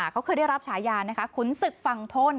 เขาเคยได้รับฉายานะคะขุนศึกฝั่งทน